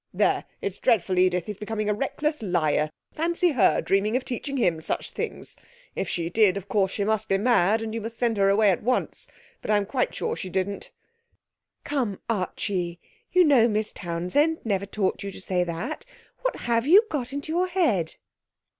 'There! It's dreadful, Edith; he's becoming a reckless liar. Fancy her dreaming of teaching him such things! If she did, of course she must be mad, and you must send her away at once. But I'm quite sure she didn't.' 'Come, Archie, you know Miss Townsend never taught you to say that. What have you got into your head?'